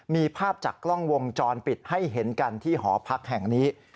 มีภาพจากกล้องวงจรปิดให้เห็นกันที่หอพักแห่งนี้